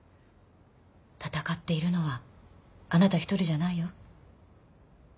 闘っているのはあなた一人じゃないよ